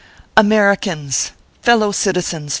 Americans ! fellow citizens